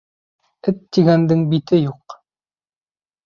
Эт тигәндең бите юҡ.